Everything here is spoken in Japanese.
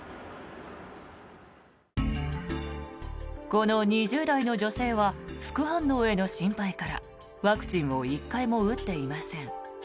この２０代の女性は副反応への心配からワクチンを１回も打っていません。